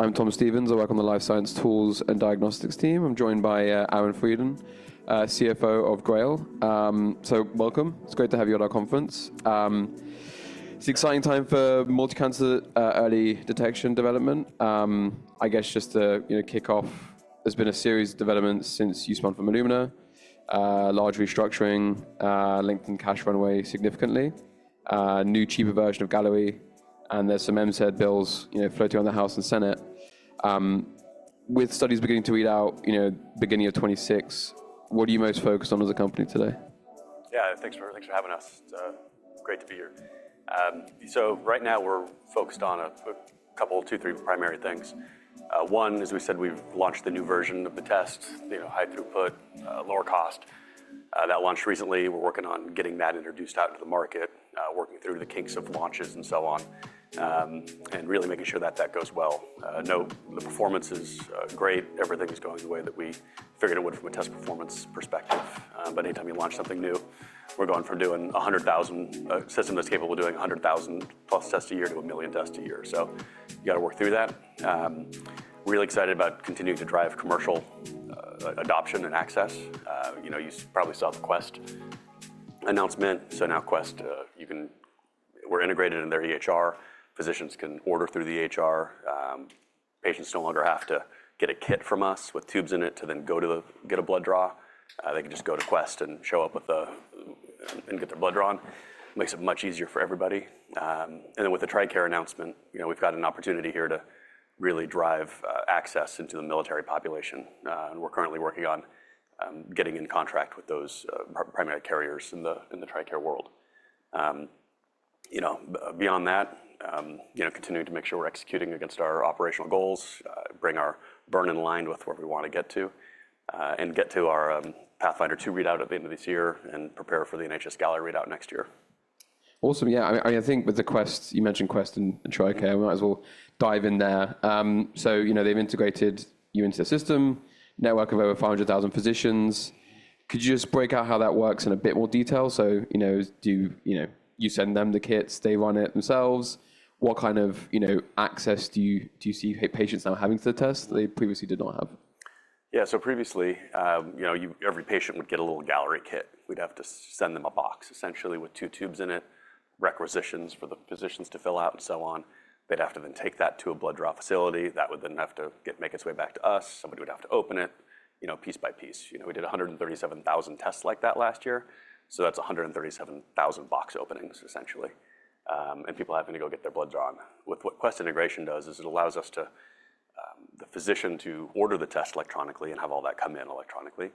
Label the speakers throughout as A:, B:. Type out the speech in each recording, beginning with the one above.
A: I'm Thomas Stevens. I work on the Life Science Tools and Diagnostics team. I'm joined by Aaron Freidin, CFO of GRAIL. Welcome. It's great to have you at our conference. It's an exciting time for multicancer early detection development. I guess just to kick off, there's been a series of developments since you spun from Illumina, large restructuring, lengthened cash runway significantly, new cheaper version of Galleri, and there's some MCED bills floating around the House and Senate. With studies beginning to read out beginning of 2026, what are you most focused on as a company today?
B: Yeah, thanks for having us. It's great to be here. Right now, we're focused on a couple, two, three primary things. One, as we said, we've launched the new version of the test, high throughput, lower cost. That launched recently. We're working on getting that introduced out to the market, working through the kinks of launches and so on, and really making sure that that goes well. No, the performance is great. Everything's going the way that we figured it would from a test performance perspective. Anytime you launch something new, we're going from doing 100,000 systems that's capable of doing 100,000 plus tests a year to a million tests a year. You got to work through that. Really excited about continuing to drive commercial adoption and access. You probably saw the Quest announcement. Now Quest, we're integrated in their EHR. Physicians can order through the EHR. Patients no longer have to get a kit from us with tubes in it to then go to get a blood draw. They can just go to Quest and show up and get their blood drawn. It makes it much easier for everybody. With the Tricare announcement, we've got an opportunity here to really drive access into the military population. We're currently working on getting in contract with those primary carriers in the Tricare world. Beyond that, continuing to make sure we're executing against our operational goals, bring our burn in line with where we want to get to, and get to our PATHFINDER 2 readout at the end of this year and prepare for the NHS-Galleri readout next year.
A: Awesome. Yeah, I mean, I think with the Quest, you mentioned Quest and TRICARE. We might as well dive in there. They've integrated you into the system, network of over 500,000 physicians. Could you just break out how that works in a bit more detail? You send them the kits, they run it themselves. What kind of access do you see patients now having to the test that they previously did not have?
B: Yeah, so previously, every patient would get a little Galleri kit. We'd have to send them a box, essentially, with two tubes in it, requisitions for the physicians to fill out, and so on. They'd have to then take that to a blood draw facility. That would then have to make its way back to us. Somebody would have to open it piece by piece. We did 137,000 tests like that last year. That's 137,000 box openings, essentially, and people having to go get their blood drawn. What Quest integration does is it allows us, the physician, to order the test electronically and have all that come in electronically.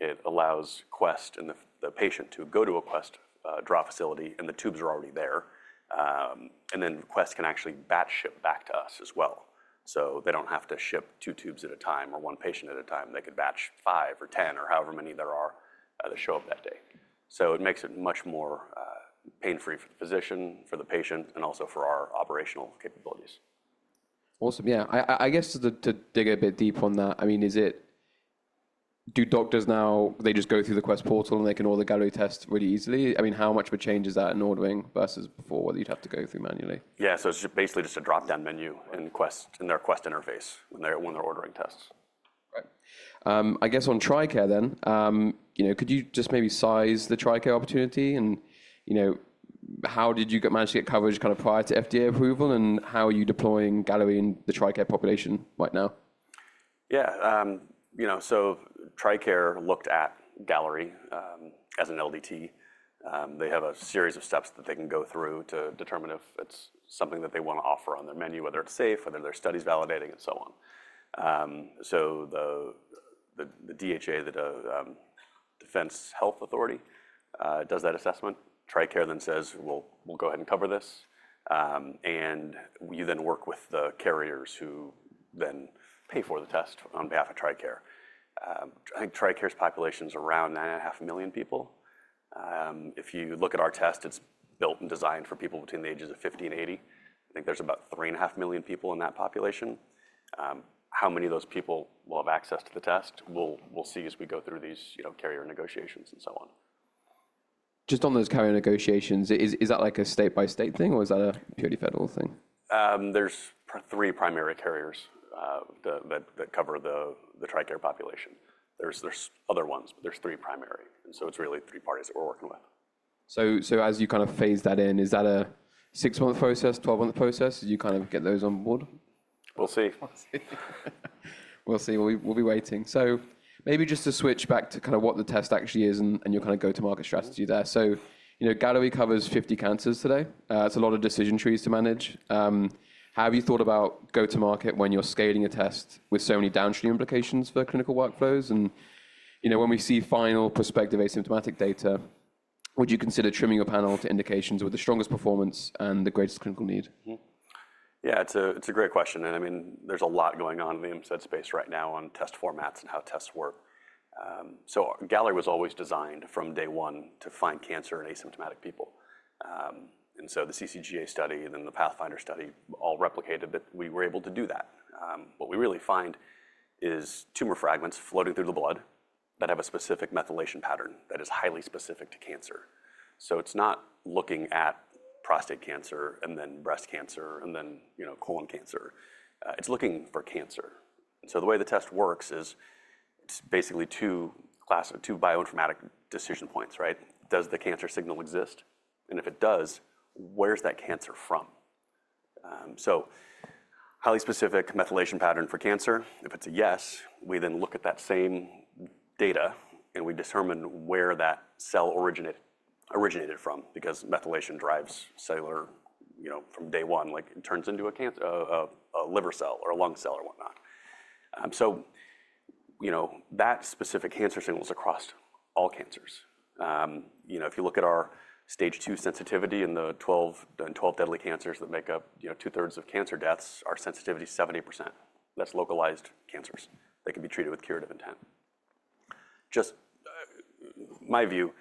B: It allows Quest and the patient to go to a Quest draw facility, and the tubes are already there. Quest can actually batch ship back to us as well. They don't have to ship two tubes at a time or one patient at a time. They could batch five or ten or however many there are that show up that day. It makes it much more pain-free for the physician, for the patient, and also for our operational capabilities.
A: Awesome. Yeah, I guess to dig a bit deep on that, I mean, do doctors now, they just go through the Quest portal and they can order Galleri tests really easily? I mean, how much of a change is that in ordering versus before where you'd have to go through manually?
B: Yeah, so it's basically just a drop-down menu in their Quest interface when they're ordering tests.
A: Right. I guess on TRICARE then, could you just maybe size the TRICARE opportunity? And how did you manage to get coverage kind of prior to FDA approval, and how are you deploying Galleri in the TRICARE population right now?
B: Yeah, TRICARE looked at Galleri as an LDT. They have a series of steps that they can go through to determine if it's something that they want to offer on their menu, whether it's safe, whether their study's validating, and so on. The DHA, the Defense Health Authority, does that assessment. TRICARE then says, "We'll go ahead and cover this." You then work with the carriers who then pay for the test on behalf of Tricare. I think Tricare's population's around nine and a half million people. If you look at our test, it's built and designed for people between the ages of 50 and 80. I think there's about three and a half million people in that population. How many of those people will have access to the test? We'll see as we go through these carrier negotiations and so on.
A: Just on those carrier negotiations, is that like a state-by-state thing, or is that a purely federal thing?
B: are three primary carriers that cover the TRICARE population. There are other ones, but there are three primary. It is really three parties that we are working with.
A: As you kind of phase that in, is that a six month process, 12 month process? Do you kind of get those on board?
B: We'll see.
A: We'll see. We'll be waiting. Maybe just to switch back to kind of what the test actually is and your kind of go-to-market strategy there. Galleri covers 50 cancers today. It's a lot of decision trees to manage. Have you thought about go-to-market when you're scaling a test with so many downstream implications for clinical workflows? When we see final prospective asymptomatic data, would you consider trimming your panel to indications with the strongest performance and the greatest clinical need?
B: Yeah, it's a great question. I mean, there's a lot going on in the MCED space right now on test formats and how tests work. Galleri was always designed from day one to find cancer in asymptomatic people. The CCGA study and then the Pathfinder study all replicated that we were able to do that. What we really find is tumor fragments floating through the blood that have a specific methylation pattern that is highly specific to cancer. It's not looking at prostate cancer and then breast cancer and then colon cancer. It's looking for cancer. The way the test works is it's basically two bioinformatic decision points, right? Does the cancer signal exist? If it does, where's that cancer from? Highly specific methylation pattern for cancer. If it's a yes, we then look at that same data and we determine where that cell originated from because methylation drives cellular from day one, like it turns into a liver cell or a lung cell or whatnot. That specific cancer signal is across all cancers. If you look at our stage two sensitivity in the 12 deadly cancers that make up two-thirds of cancer deaths, our sensitivity is 70%. That's localized cancers. They can be treated with curative intent. Just my view,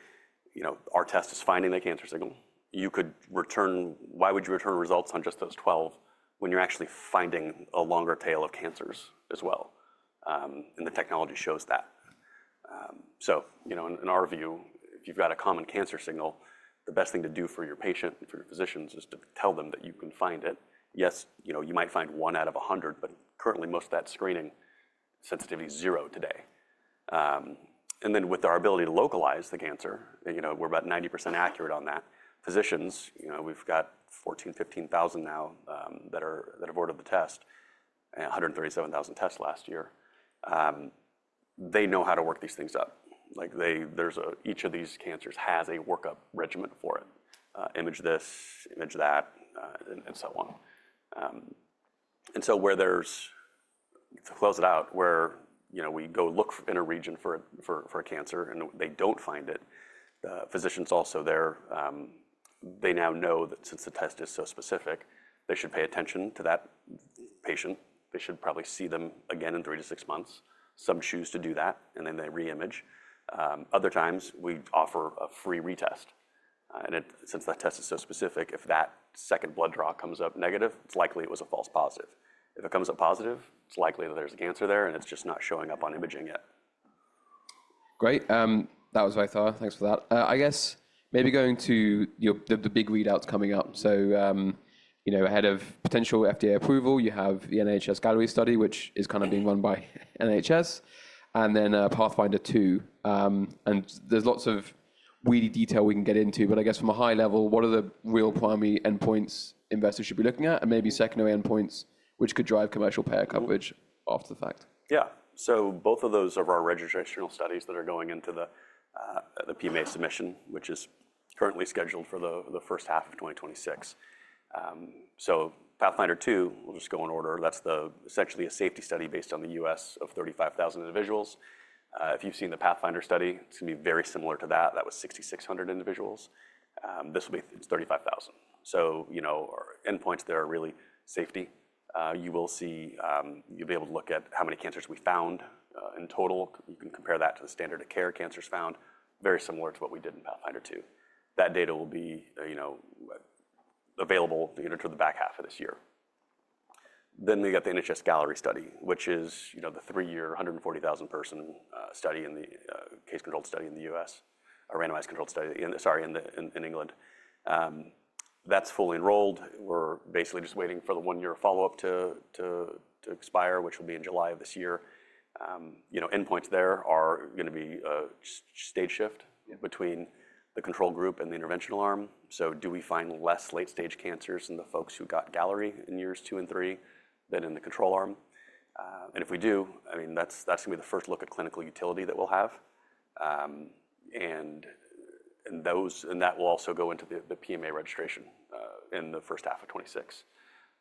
B: our test is finding the cancer signal. You could return, why would you return results on just those 12 when you're actually finding a longer tail of cancers as well? The technology shows that. In our view, if you've got a common cancer signal, the best thing to do for your patient and for your physicians is to tell them that you can find it. Yes, you might find one out of 100, but currently most of that screening sensitivity is zero today. With our ability to localize the cancer, we're about 90% accurate on that. Physicians, we've got 14,000, 15,000 now that have ordered the test, 137,000 tests last year. They know how to work these things up. Each of these cancers has a workup regimen for it. Image this, image that, and so on. Where we go look in a region for a cancer and they don't find it, physicians also there, they now know that since the test is so specific, they should pay attention to that patient. They should probably see them again in three to six months. Some choose to do that and then they reimage. Other times, we offer a free retest. Since that test is so specific, if that second blood draw comes up negative, it's likely it was a false positive. If it comes up positive, it's likely that there's a cancer there and it's just not showing up on imaging yet.
A: Great. That was what I thought. Thanks for that. I guess maybe going to the big readouts coming up. Ahead of potential FDA approval, you have the NHS-Galleri study, which is kind of being run by NHS, and then PATHFINDER 2. There is lots of weedy detail we can get into, but I guess from a high level, what are the real primary endpoints investors should be looking at and maybe secondary endpoints which could drive commercial payer coverage after the fact?
B: Yeah. Both of those are our registrational studies that are going into the PMA submission, which is currently scheduled for the first half of 2026. PATHFINDER 2, we'll just go in order. That's essentially a safety study based on the US of 35,000 individuals. If you've seen the PATHFINDER study, it's going to be very similar to that. That was 6,600 individuals. This will be 35,000. Endpoints there are really safety. You will see you'll be able to look at how many cancers we found in total. You can compare that to the standard of care cancers found, very similar to what we did in Pathfinder 2. That data will be available to the back half of this year. We got the NHS-Galleri study, which is the three-year, 140,000-person study in the case-controlled study in the U.S., a randomized controlled study, sorry, in England. That's fully enrolled. We're basically just waiting for the one year follow-up to expire, which will be in July of this year. Endpoints there are going to be a stage shift between the control group and the interventional arm. Do we find less late-stage cancers in the folks who got Galleri in years two and three than in the control arm? If we do, I mean, that's going to be the first look at clinical utility that we'll have. That will also go into the PMA registration in the first half of 2026.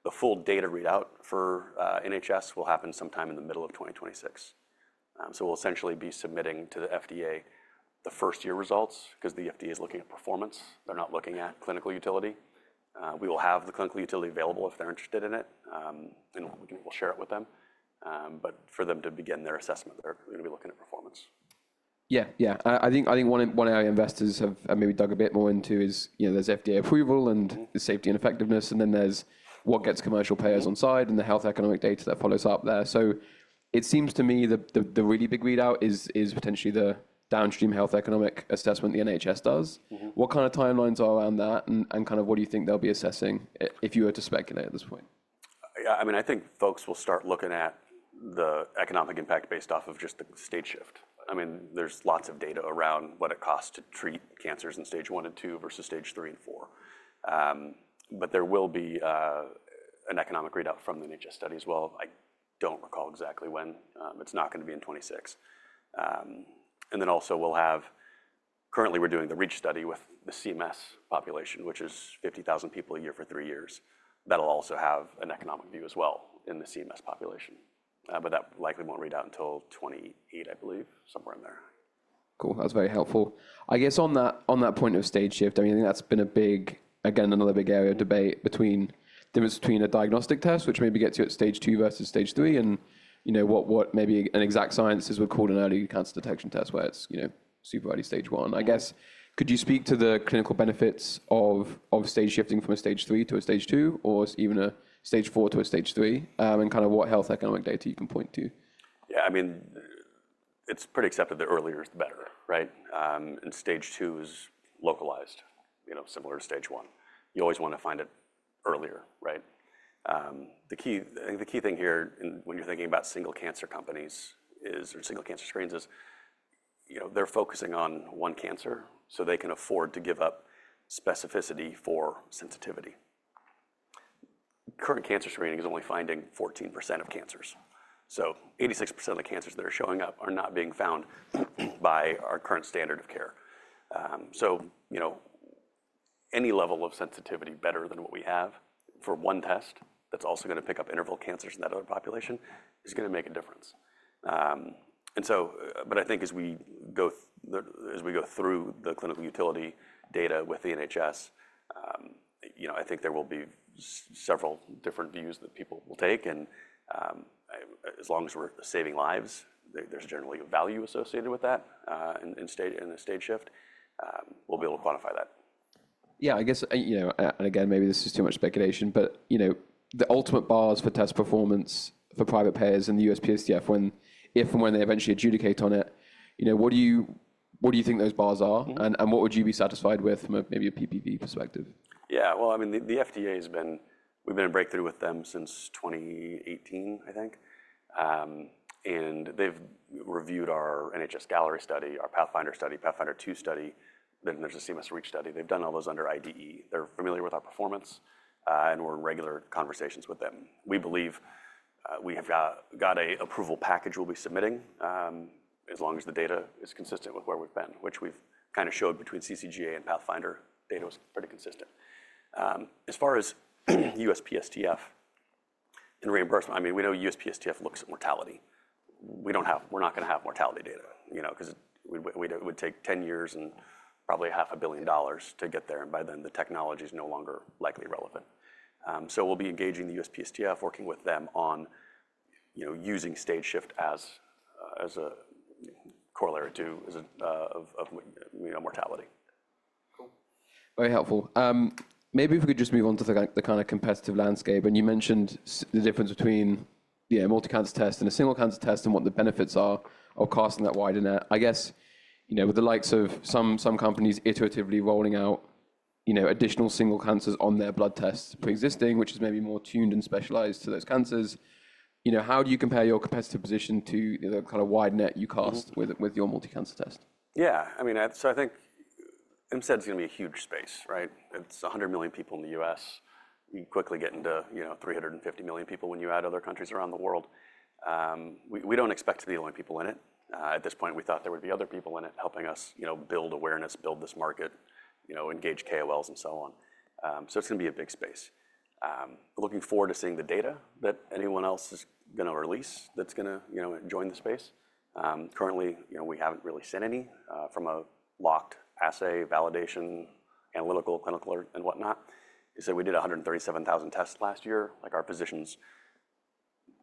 B: The full data readout for NHS will happen sometime in the middle of 2026. We'll essentially be submitting to the FDA the first-year results because the FDA is looking at performance. They're not looking at clinical utility. We will have the clinical utility available if they're interested in it, and we'll share it with them. For them to begin their assessment, they're going to be looking at performance.
A: Yeah, yeah. I think one area investors have maybe dug a bit more into is there's FDA approval and the safety and effectiveness, and then there's what gets commercial payers on side and the health economic data that follows up there. It seems to me the really big readout is potentially the downstream health economic assessment the NHS does. What kind of timelines are around that, and kind of what do you think they'll be assessing if you were to speculate at this point?
B: Yeah, I mean, I think folks will start looking at the economic impact based off of just the stage shift. I mean, there's lots of data around what it costs to treat cancers in stage one and two versus stage three and four. There will be an economic readout from the NHS study as well. I don't recall exactly when. It's not going to be in 2026. Also, we'll have currently we're doing the REACH study with the CMS population, which is 50,000 people a year for three years. That'll also have an economic view as well in the CMS population. That likely won't read out until 2028, I believe, somewhere in there.
A: Cool. That's very helpful. I guess on that point of stage shift, I mean, I think that's been a big, again, another big area of debate between a diagnostic test, which maybe gets you at stage two versus stage three, and what maybe an exact science is called an early cancer detection test where it's super early stage one. I guess, could you speak to the clinical benefits of stage shifting from a stage three to a stage two, or even a stage four to a stage three, and kind of what health economic data you can point to?
B: Yeah, I mean, it's pretty accepted the earlier is the better, right? And stage two is localized, similar to stage one. You always want to find it earlier, right? The key thing here when you're thinking about single cancer companies or single cancer screens is they're focusing on one cancer so they can afford to give up specificity for sensitivity. Current cancer screening is only finding 14% of cancers. So 86% of the cancers that are showing up are not being found by our current standard of care. Any level of sensitivity better than what we have for one test that's also going to pick up interval cancers in that other population is going to make a difference. I think as we go through the clinical utility data with the NHS, I think there will be several different views that people will take. As long as we're saving lives, there's generally a value associated with that in a stage shift. We'll be able to quantify that.
A: Yeah, I guess, and again, maybe this is too much speculation, but the ultimate bars for test performance for private payers and the USPSTF, if and when they eventually adjudicate on it, what do you think those bars are and what would you be satisfied with from maybe a PPV perspective?
B: Yeah, I mean, the FDA has been, we've been in breakthrough with them since 2018, I think. They've reviewed our NHS-Galleri study, our PATHFINDER study, PATHFINDER 2 study, then there's a CMS REACH study. They've done all those under IDE. They're familiar with our performance, and we're in regular conversations with them. We believe we have got an approval package we'll be submitting as long as the data is consistent with where we've been, which we've kind of showed between CCGA and Pathfinder data was pretty consistent. As far as USPSTF and reimbursement, I mean, we know USPSTF looks at mortality. We're not going to have mortality data because it would take 10 years and probably $500,000,000 to get there. By then, the technology is no longer likely relevant. We will be engaging the USPSTF, working with them on using stage shift as a corollary to mortality.
A: Cool. Very helpful. Maybe if we could just move on to the kind of competitive landscape. You mentioned the difference between a multi-cancer test and a single cancer test and what the benefits are of casting that wide net. I guess with the likes of some companies iteratively rolling out additional single cancers on their blood tests pre-existing, which is maybe more tuned and specialized to those cancers, how do you compare your competitive position to the kind of wide net you cast with your multi-cancer test?
B: Yeah, I mean, I think MCED is going to be a huge space, right? It's 100 million people in the US. You quickly get into 350 million people when you add other countries around the world. We don't expect to be the only people in it. At this point, we thought there would be other people in it helping us build awareness, build this market, engage KOLs and so on. It's going to be a big space. Looking forward to seeing the data that anyone else is going to release that's going to join the space. Currently, we haven't really seen any from a locked assay validation, analytical, clinical, and whatnot. You said we did 137,000 tests last year. Our physicians,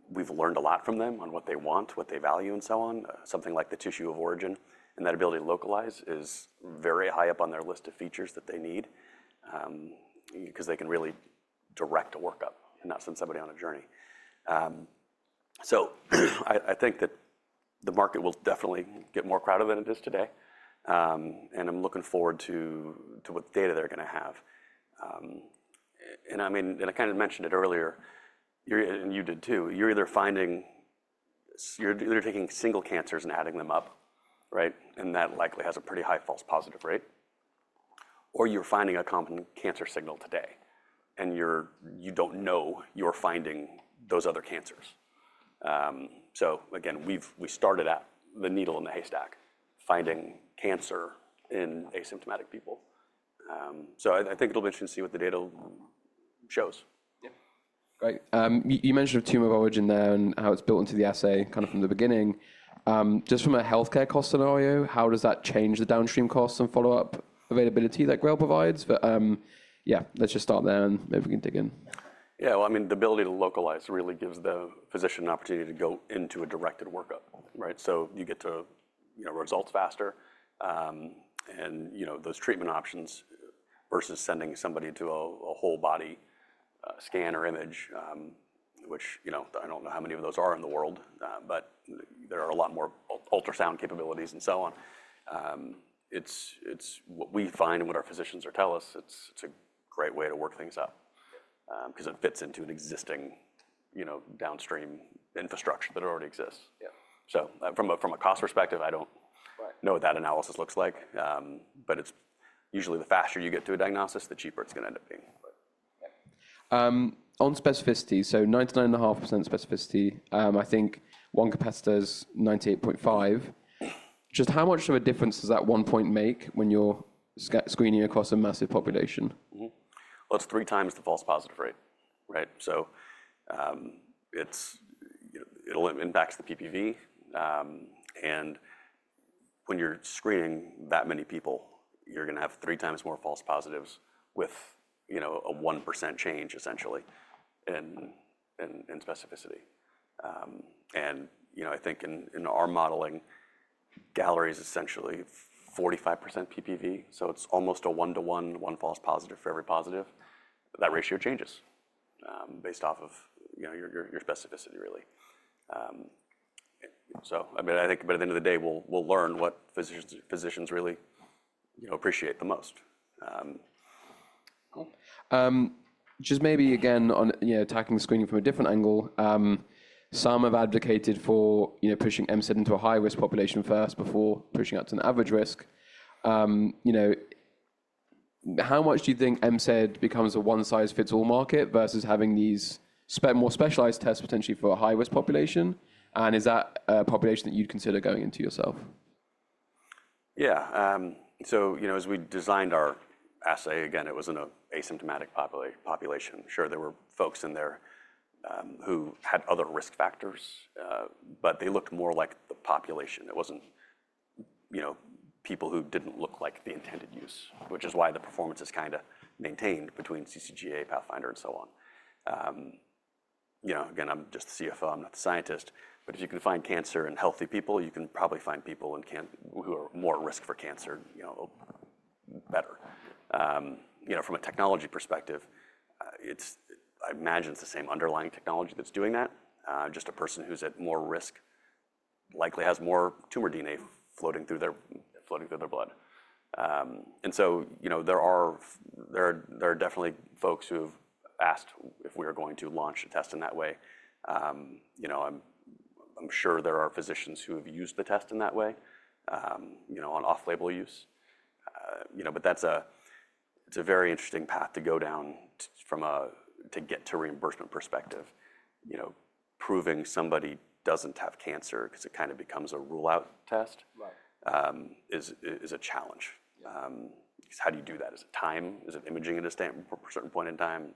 B: we've learned a lot from them on what they want, what they value, and so on. Something like the tissue of origin and that ability to localize is very high up on their list of features that they need because they can really direct a workup and not send somebody on a journey. I think that the market will definitely get more crowded than it is today. I'm looking forward to what data they're going to have. I mean, and I kind of mentioned it earlier, and you did too, you're either finding, you're either taking single cancers and adding them up, right? That likely has a pretty high false positive rate. Or you're finding a common cancer signal today and you don't know you're finding those other cancers. We started at the needle in the haystack, finding cancer in asymptomatic people. I think it'll be interesting to see what the data shows.
A: Yeah. Great. You mentioned a tumor of origin there and how it's built into the assay kind of from the beginning. Just from a healthcare cost scenario, how does that change the downstream costs and follow-up availability that GRAIL provides? Yeah, let's just start there and maybe we can dig in.
B: Yeah, I mean, the ability to localize really gives the physician an opportunity to go into a directed workup, right? You get to results faster and those treatment options versus sending somebody to a whole body scan or image, which I don't know how many of those are in the world, but there are a lot more ultrasound capabilities and so on. It's what we find and what our physicians tell us. It's a great way to work things out because it fits into an existing downstream infrastructure that already exists. From a cost perspective, I don't know what that analysis looks like, but usually the faster you get to a diagnosis, the cheaper it's going to end up being.
A: On specificity, so 99.5% specificity, I think one comparator is 98.5%. Just how much of a difference does that one point make when you're screening across a massive population?
B: It's three times the false positive rate, right? It impacts the PPV. When you're screening that many people, you're going to have three times more false positives with a 1% change essentially in specificity. I think in our modeling, Galleri is essentially 45% PPV. It's almost a one-to-one, one false positive for every positive. That ratio changes based off of your specificity, really. I think by the end of the day, we'll learn what physicians really appreciate the most.
A: Cool. Just maybe again, attacking screening from a different angle, some have advocated for pushing MCED into a high-risk population first before pushing out to an average risk. How much do you think MCED becomes a one-size-fits-all market versus having these more specialized tests potentially for a high-risk population? Is that a population that you'd consider going into yourself?
B: Yeah. As we designed our assay, again, it wasn't an asymptomatic population. Sure, there were folks in there who had other risk factors, but they looked more like the population. It wasn't people who didn't look like the intended use, which is why the performance is kind of maintained between CCGA, PATHFINDER, and so on. Again, I'm just the CFO. I'm not the scientist. If you can find cancer in healthy people, you can probably find people who are more at risk for cancer better. From a technology perspective, I imagine it's the same underlying technology that's doing that. Just a person who's at more risk likely has more tumor DNA floating through their blood. There are definitely folks who have asked if we are going to launch a test in that way. I'm sure there are physicians who have used the test in that way on off-label use. But it's a very interesting path to go down from a reimbursement perspective. Proving somebody doesn't have cancer because it kind of becomes a rule-out test is a challenge. How do you do that? Is it time? Is it imaging at a certain point in time?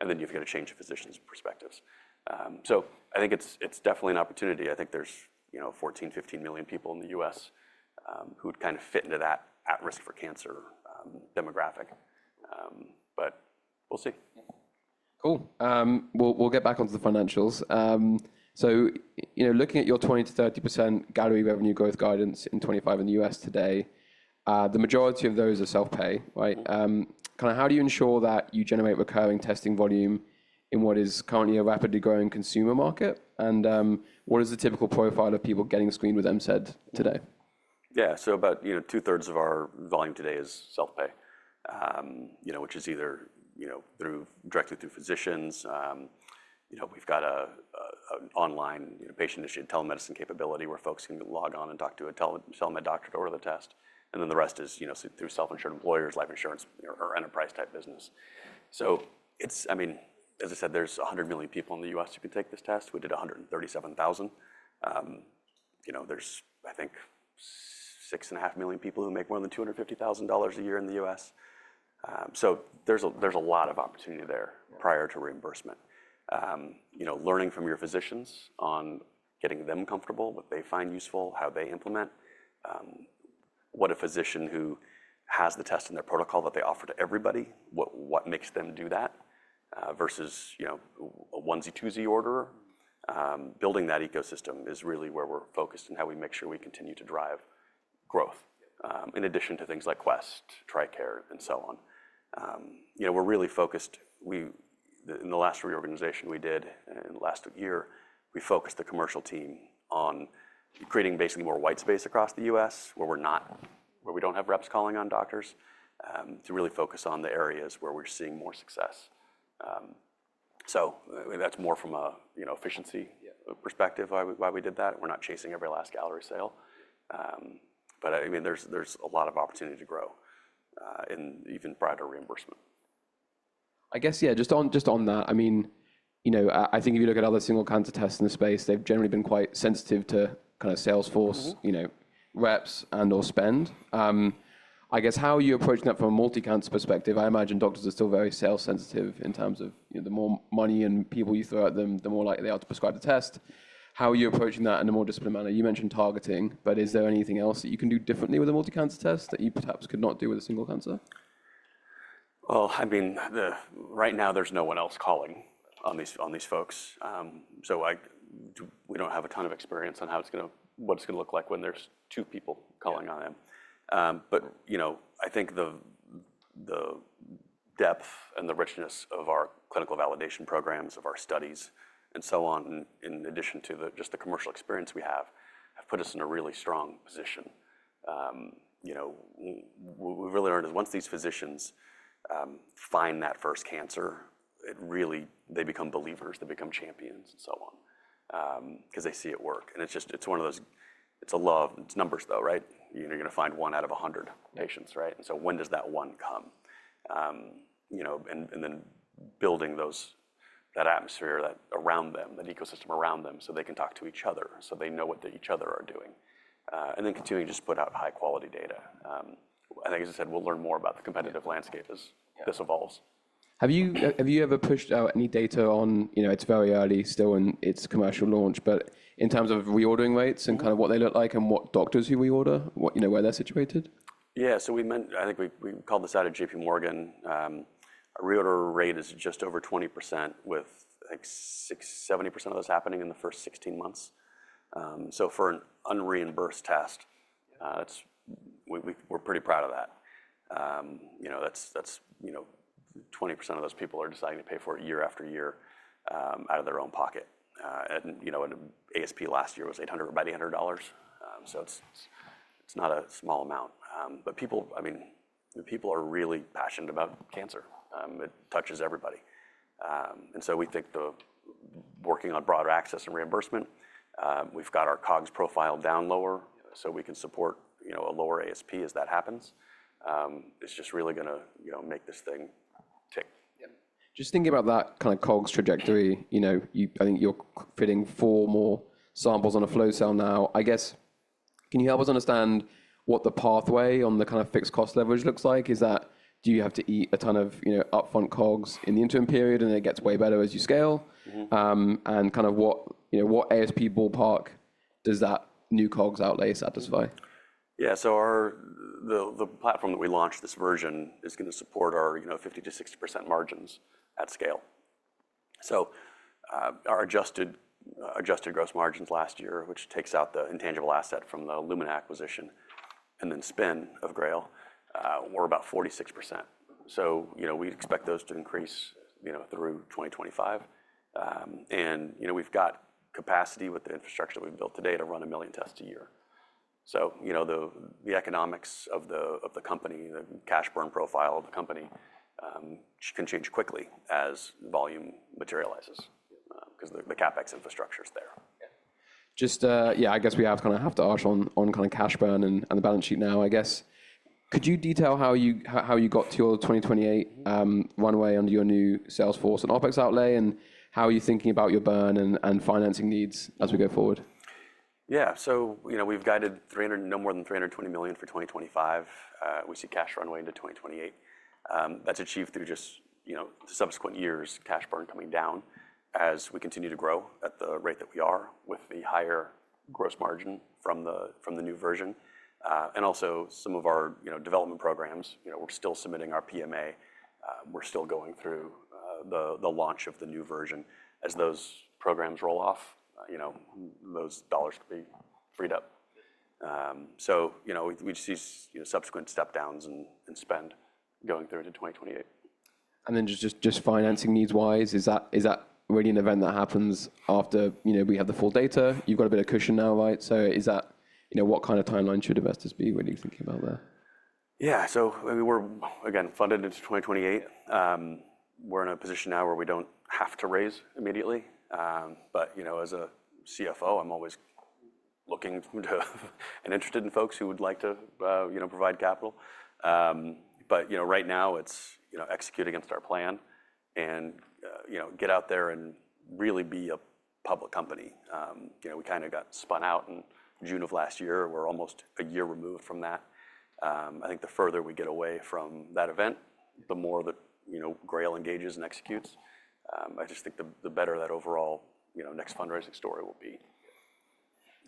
B: And then you've got to change physicians' perspectives. I think it's definitely an opportunity. I think there's 14 million-15 million people in the U.S. who'd kind of fit into that at-risk for cancer demographic. We'll see.
A: Cool. We'll get back onto the financials. Looking at your 20%-30% Galleri revenue growth guidance in 2025 in the U.S., today the majority of those are self-pay, right? Kind of how do you ensure that you generate recurring testing volume in what is currently a rapidly growing consumer market? What is the typical profile of people getting screened with MCED today?
B: Yeah, so about two-thirds of our volume today is self-pay, which is either directly through physicians. We've got an online patient-initiated telemedicine capability where folks can log on and talk to a telemed doctor to order the test. The rest is through self-insured employers, life insurance, or enterprise-type business. I mean, as I said, there's 100 million people in the U.S. who can take this test. We did 137,000. There's, I think, six and a half million people who make more than $250,000 a year in the US. There's a lot of opportunity there prior to reimbursement. Learning from your physicians on getting them comfortable, what they find useful, how they implement, what a physician who has the test and their protocol that they offer to everybody, what makes them do that versus a onesie, twosie order. Building that ecosystem is really where we're focused and how we make sure we continue to drive growth in addition to things like Quest, Tricare, and so on. We're really focused. In the last reorganization we did in the last year, we focused the commercial team on creating basically more white space across the U.S. where we don't have reps calling on doctors to really focus on the areas where we're seeing more success. That's more from an efficiency perspective why we did that. We're not chasing every last Galleri sale. I mean, there's a lot of opportunity to grow and even broader reimbursement.
A: I guess, yeah, just on that, I mean, I think if you look at other single cancer tests in the space, they've generally been quite sensitive to kind of Salesforce reps and/or spend. I guess how are you approaching that from a multi-cancer perspective? I imagine doctors are still very sales-sensitive in terms of the more money and people you throw at them, the more likely they are to prescribe the test. How are you approaching that in a more disciplined manner? You mentioned targeting, but is there anything else that you can do differently with a multi-cancer test that you perhaps could not do with a single cancer?
B: Right now there's no one else calling on these folks. We don't have a ton of experience on what it's going to look like when there's two people calling on them. I think the depth and the richness of our clinical validation programs, of our studies and so on, in addition to just the commercial experience we have, have put us in a really strong position. We've really learned that once these physicians find that first cancer, they become believers, they become champions and so on because they see it work. It's one of those, it's a love. It's numbers though, right? You're going to find one out of 100 patients, right? When does that one come? Building that atmosphere around them, that ecosystem around them so they can talk to each other, so they know what each other are doing. Continuing to just put out high-quality data. I think, as I said, we'll learn more about the competitive landscape as this evolves.
A: Have you ever pushed out any data on, it's very early still in its commercial launch, but in terms of reordering rates and kind of what they look like and what doctors who reorder, where they're situated?
B: Yeah, I think we called this out at JPMorgan. Our reorder rate is just over 20% with, I think, 70% of those happening in the first 16 months. For an unreimbursed test, we're pretty proud of that. That's 20% of those people deciding to pay for it year after year out of their own pocket. ASP last year was about $800. It's not a small amount. People are really passionate about cancer. It touches everybody. We think working on broader access and reimbursement, we've got our COGS profile down lower so we can support a lower ASP as that happens. It's just really going to make this thing tick.
A: Yeah. Just thinking about that kind of COGS trajectory, I think you're fitting four more samples on a flow cell now. I guess, can you help us understand what the pathway on the kind of fixed cost leverage looks like? Is that, do you have to eat a ton of upfront COGS in the interim period and it gets way better as you scale? And kind of what ASP ballpark does that new COGS outlay satisfy?
B: Yeah, so the platform that we launched, this version, is going to support our 50%-60% margins at scale. Our adjusted gross margins last year, which takes out the intangible asset from the Lumen acquisition and then spend of GRAIL, were about 46%. We expect those to increase through 2025. We've got capacity with the infrastructure that we've built today to run a million tests a year. The economics of the company, the cash burn profile of the company can change quickly as volume materializes because the CapEx infrastructure is there.
A: Yeah, I guess we have kind of half-arse on kind of cash burn and the balance sheet now, I guess. Could you detail how you got to your 2028 runway under your new Salesforce and OpEx outlay and how are you thinking about your burn and financing needs as we go forward?
B: Yeah, so we've guided no more than $320 million for 2025. We see cash runway into 2028. That's achieved through just subsequent years, cash burn coming down as we continue to grow at the rate that we are with the higher gross margin from the new version. Also, some of our development programs, we're still submitting our PMA. We're still going through the launch of the new version. As those programs roll off, those dollars could be freed up. We see subsequent step-downs in spend going through into 2028.
A: Just financing needs-wise, is that really an event that happens after we have the full data? You've got a bit of cushion now, right? What kind of timeline should investors be really thinking about there?
B: Yeah, so we were again funded into 2028. We're in a position now where we don't have to raise immediately. As a CFO, I'm always looking and interested in folks who would like to provide capital. Right now, it's execute against our plan and get out there and really be a public company. We kind of got spun out in June of last year. We're almost a year removed from that. I think the further we get away from that event, the more that GRAIL engages and executes. I just think the better that overall next fundraising story will be.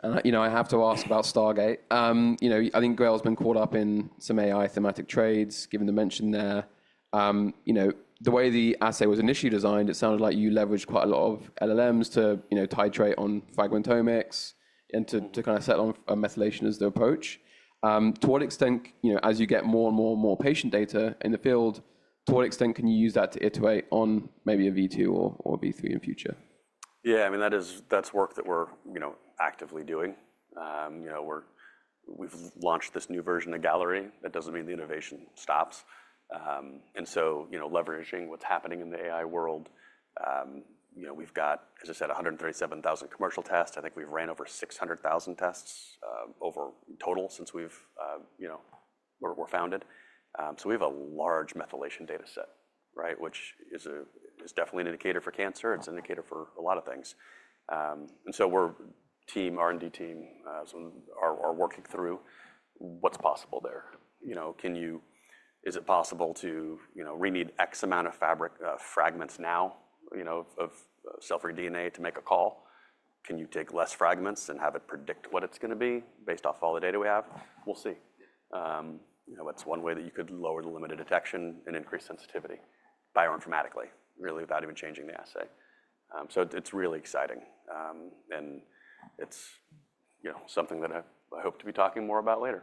A: I have to ask about Stargate. I think GRAIL has been caught up in some AI thematic trades, given the mention there. The way the assay was initially designed, it sounded like you leveraged quite a lot of LLMs to titrate on fragmentomics and to kind of set on methylation as the approach. To what extent, as you get more and more and more patient data in the field, to what extent can you use that to iterate on maybe a V2 or V3 in future?
B: Yeah, I mean, that's work that we're actively doing. We've launched this new version of Galleri. That doesn't mean the innovation stops. Leveraging what's happening in the AI world, we've got, as I said, 137,000 commercial tests. I think we've ran over 600,000 tests total since we were founded. We have a large methylation data set, which is definitely an indicator for cancer. It's an indicator for a lot of things. Our R&D team are working through what's possible there. Is it possible to renew x amount of fragments now of cell-free DNA to make a call? Can you take less fragments and have it predict what it's going to be based off all the data we have? We'll see. That's one way that you could lower the limit of detection and increase sensitivity bioinformatically, really without even changing the assay. It's really exciting. It is something that I hope to be talking more about later.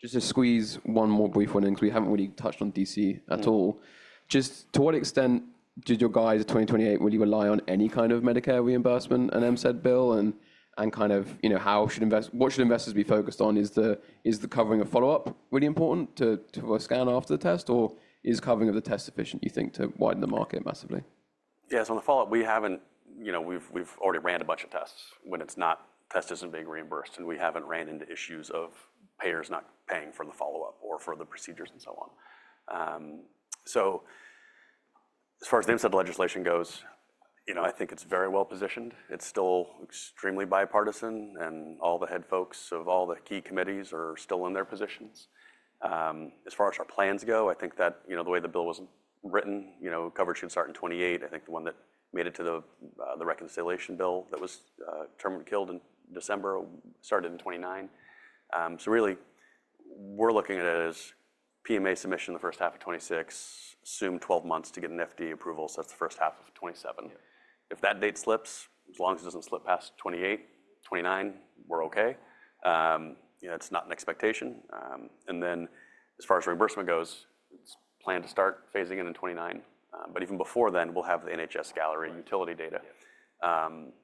A: Just to squeeze one more brief one in because we haven't really touched on DC at all. Just to what extent did your guys in 2028 really rely on any kind of Medicare reimbursement and MCED bill? And kind of what should investors be focused on? Is the covering of follow-up really important to scan after the test? Or is covering of the test sufficient, you think, to widen the market massively?
B: Yeah, so on the follow-up, we've already ran a bunch of tests when test isn't being reimbursed. We haven't ran into issues of payers not paying for the follow-up or for the procedures and so on. As far as the MCED legislation goes, I think it's very well positioned. It's still extremely bipartisan. All the head folks of all the key committees are still in their positions. As far as our plans go, I think that the way the bill was written, coverage should start in 2028. I think the one that made it to the reconciliation bill that was terminally killed in December started in 2029. Really, we're looking at it as PMA submission the first half of 2026, assume 12 months to get an FDA approval. That's the first half of 2027. If that date slips, as long as it doesn't slip past 2028, 2029, we're okay. It's not an expectation. As far as reimbursement goes, it's planned to start phasing in in 2029. Even before then, we'll have the NHS-Galleri utility data,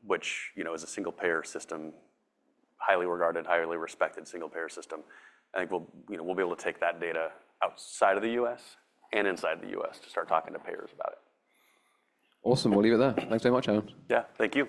B: which is a single payer system, highly regarded, highly respected single payer system. I think we'll be able to take that data outside of the U.S. and inside the U.S. to start talking to payers about it.
A: Awesome. We'll leave it there. Thanks very much, Aaron.
B: Yeah, thank you.